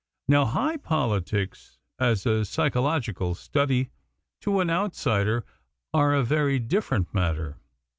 Now high politics, as a psychological study, to an outsider are a very different matter.